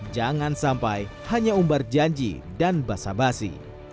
jangan sampai hanya umbar janji dan basa basi